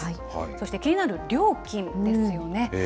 そして気になる料金ですよね。